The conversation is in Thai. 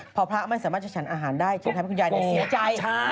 พอพระไม่สามารถจะฉันอาหารได้จนทำให้คุณยายเสียใจ